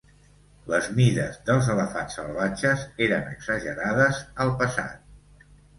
Les mides dels elefants salvatges eren exagerades al passat.